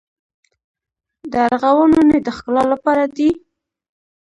د ارغوان ونې د ښکلا لپاره دي؟